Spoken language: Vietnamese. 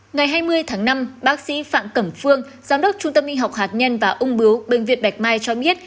ngày hai mươi tháng năm bác sĩ phạm cẩm phương giám đốc trung tâm y học hạt nhân và ung bưu bệnh viện bạch mai cho biết